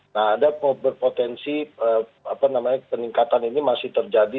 nah ada berpotensi peningkatan ini masih terjadi